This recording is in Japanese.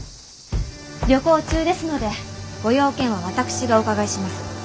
旅行中ですのでご用件は私がお伺いします。